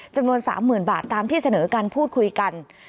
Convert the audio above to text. จำนวน๓๐๐๐บาทตามที่เสนอกันพูดคุยกัน